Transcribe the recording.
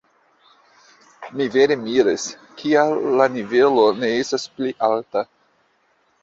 Mi vere miras, kial la nivelo ne estas pli alta.